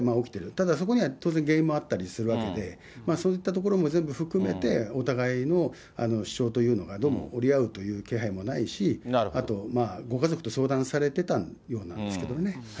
ただ、そこには当然原因があったりもするわけで、そういったことも全部含めて、お互いの主張というのが、どうも折り合うという気配もないし、あとご家族と相談されてたようなんですけどね。